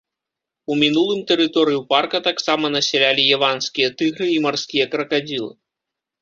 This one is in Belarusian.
У мінулым тэрыторыю парка таксама насялялі яванскія тыгры і марскія кракадзілы.